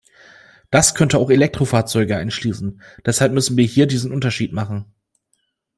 Das könnte auch Elektrofahrzeuge einschließen, deshalb müssen wir hier diesen Unterschied machen.